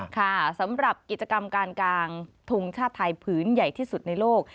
ค่ะสำหรับกิจกรรมการกางทงชาติไทยผืนใหญ่ที่สุดในโลก